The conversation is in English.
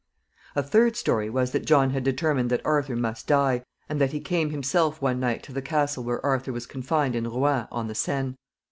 A third story was that John had determined that Arthur must die, and that he came himself one night to the castle where Arthur was confined in Rouen on the Seine.